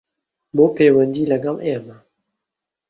بۆ پەیوەندی لەگەڵ ئێمە